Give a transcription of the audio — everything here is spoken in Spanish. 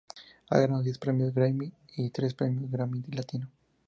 Ha ganado diez premios Grammy y tres premios Grammy Latino.